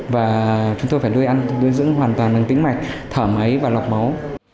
và chúng tôi phải nuôi ăn thu nuôi dưỡng hoàn toàn bằng tính mạch thở máy và lọc máu